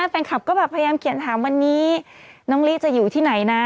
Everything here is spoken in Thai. แฟนคลับก็แบบพยายามเขียนถามวันนี้น้องลี่จะอยู่ที่ไหนนะ